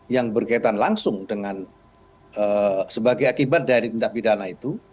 yang berkaitan langsung dengan sebagai akibat dari tindak pidana itu